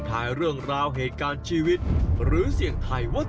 หันล้วยหันล้วยหันล้วยหันล้วยหันล้วยหันล้วยหันล้วย